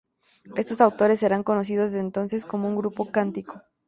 Estos autores serán conocidos desde entonces como Grupo Cántico.